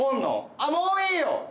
あもういいよ。